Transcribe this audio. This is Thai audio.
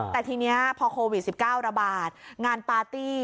แต่ทีนี้พอโควิด๑๙ระบาดงานปาร์ตี้